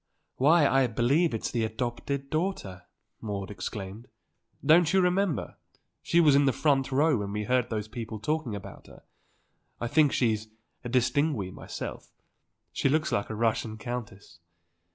"Why, I believe it's the adopted daughter!" Maude exclaimed. "Don't you remember. She was in the front row and we heard those people talking about her. I think she's distinguée myself. She looks like a Russian countess."